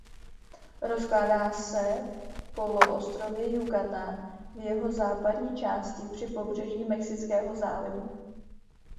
Rozkládá se poloostrově Yucatán v jeho západní části při pobřeží Mexického zálivu.